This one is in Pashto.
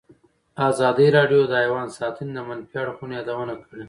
ازادي راډیو د حیوان ساتنه د منفي اړخونو یادونه کړې.